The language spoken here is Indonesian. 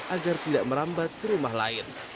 agar tidak merambat ke rumah lain